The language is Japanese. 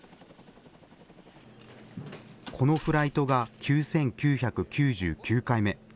このフライトが９９９９回目。